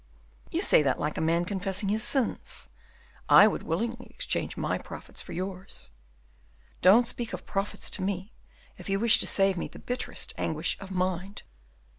"You say that like a man confessing his sins. I would willingly exchange my profits for yours." "Don't speak of profits to me, if you wish to save me the bitterest anguish of mind."